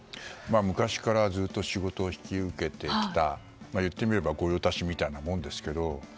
昔からずっと仕事を引き受けてきた言ってみれば御用達みたいなもんですけど。